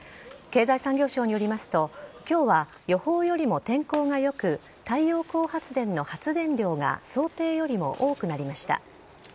経済産業省によりますと、きょうは予報よりも天候がよく、太陽光発電の発電量が想定よりも多くなりました。